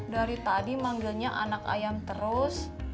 dari tadi manggilnya anak ayam terus